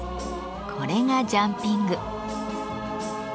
これがジャンピング。